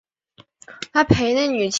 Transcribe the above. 古穆瓦人口变化图示